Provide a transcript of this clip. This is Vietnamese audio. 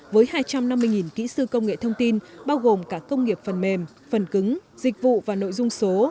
với hai trăm năm mươi kỹ sư công nghệ thông tin bao gồm cả công nghiệp phần mềm phần cứng dịch vụ và nội dung số